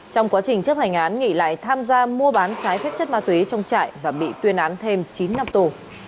trong quá trình chấp hành án nghị lại tham gia mua bán trái phép chất ma túy trong trại và bị tuyên án thêm chín năm tù